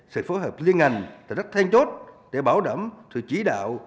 sẽ phó hợp liên ngành và đắt thanh chốt để bảo đảm sự chỉ đạo